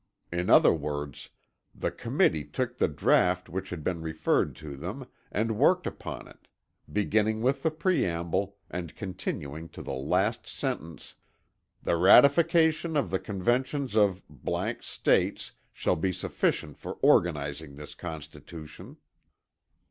In other words, the Committee took the draught which had been referred to them, and worked upon it, beginning with the preamble, and continuing to the last sentence, "The ratification of the conventions of States shall be sufficient for organizing this Constitution."